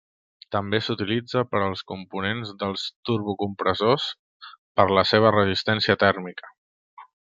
També s'utilitza per als components dels turbocompressors, per la seva resistència tèrmica.